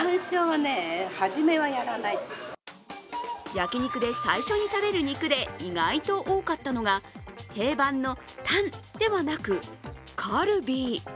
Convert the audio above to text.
焼き肉で最初に食べる肉で意外と多かったのが定番のタンではなくカルビ。